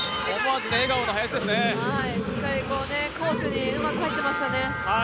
しっかりコースに入ってましたね。